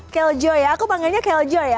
keljo ya aku panggilnya keljo ya